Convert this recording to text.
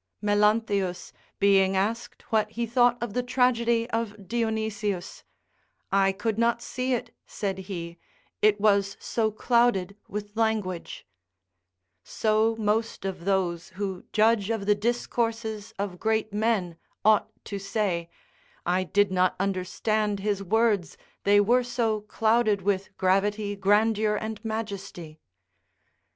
Melanthius being asked what he thought of the tragedy of Dionysius, "I could not see it," said he, "it was so clouded with language"; so most of those who judge of the discourses of great men ought to say, "I did not understand his words, they were so clouded with gravity, grandeur, and majesty."